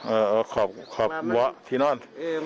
เอออ่อขอบขอบที่นอน